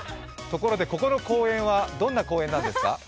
ところでここの公園はどんな公園ですか？